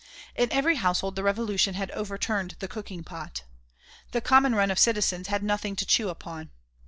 In every household the Revolution had overturned the cooking pot. The common run of citizens had nothing to chew upon.